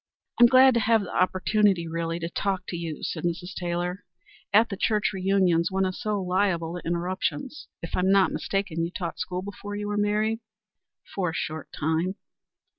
"I'm glad to have the opportunity really to talk to you," said Mrs. Taylor. "At the church reunions one is so liable to interruptions. If I'm not mistaken, you taught school before you were married?" "For a short time."